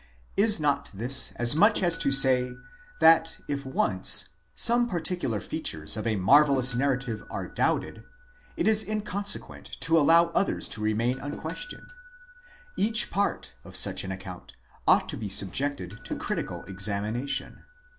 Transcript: ® Is not this as much as to say, that if once some particular features of a marvellous narrative are doubted, it is inconsequent to allow others to remain unquestioned? each part of such an account ought to be subjected to critical examination.